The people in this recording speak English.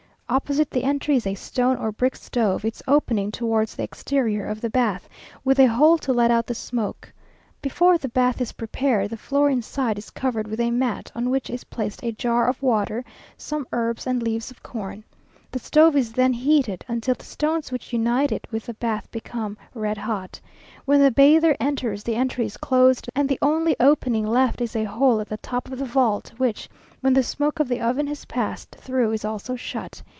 Opposite the entry is a stone or brick stove, its opening towards the exterior of the bath, with a hole to let out the smoke. Before the bath is prepared, the floor inside is covered with a mat, on which is placed a jar of water, some herbs and leaves of corn. The stove is then heated until the stones which unite it with the bath become red hot. When the bather enters the entry is closed, and the only opening left is a hole at the top of the vault, which, when the smoke of the oven has passed through, is also shut.